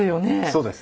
そうです。